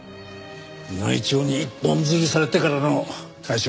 内調に一本釣りされてからの退職か。